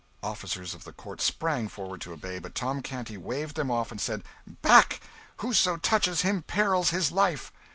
Officers of the guard sprang forward to obey, but Tom Canty waved them off and said "Back! Whoso touches him perils his life!"